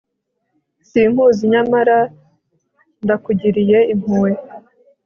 sinkuzi, nyamara ndakugiriye impuhwe